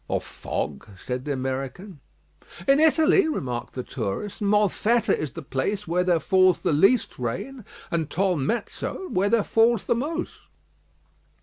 "Or fog," said the American. "In Italy," remarked the tourist, "Molfetta is the place where there falls the least rain; and Tolmezzo, where there falls the most."